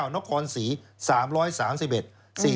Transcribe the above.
นครศรี๓๓๑